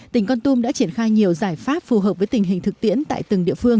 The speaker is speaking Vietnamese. tỉnh con tum đã triển khai nhiều giải pháp phù hợp với tình hình thực tiễn tại từng địa phương